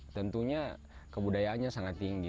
tentunya kebudayaannya sangat tinggi